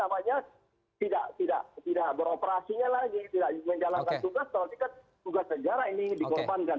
kalau begini kan namanya tidak beroperasinya lagi tidak menjalankan tugas kalau bukan tugas sejarah ini dikorbankan